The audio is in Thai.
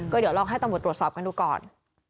เดี๋ยวลองให้ตำรวจตรวจสอบกันดูก่อน